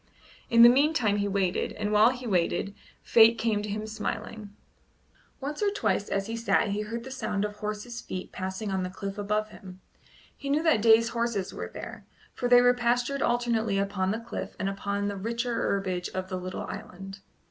In the meantime he waited, and while he waited Fate came to him smiling. Once or twice as he sat he heard the sound of horse's feet passing on the cliff above him. He knew that Day's horses were there, for they were pastured alternately upon the cliff and upon the richer herbage of the little island.